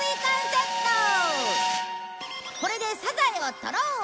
これでサザエをとろう！